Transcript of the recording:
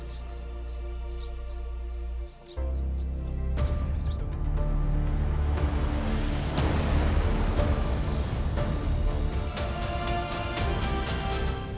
นี่